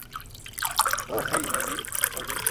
ওহ, hey, মেভি wavy!